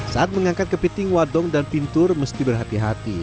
saat mengangkat kepiting wadong dan pintur mesti berhati hati